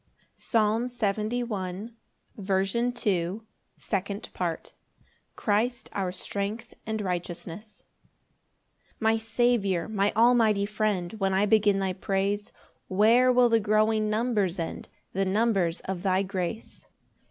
Psalm 71:2. 15 14 16 23 22 24. 2d Part. Christ our strength and righteousness. 1 My Saviour, my almighty Friend, When I begin thy praise, Where will the growing numbers end, The numbers of thy grace?